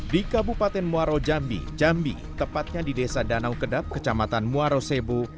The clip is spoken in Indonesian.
di kabupaten muaro jambi jambi tepatnya di desa danau kedap kecamatan muarosebu